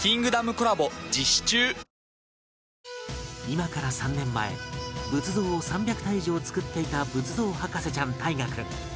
今から３年前仏像を３００体以上作っていた仏像博士ちゃん汰佳君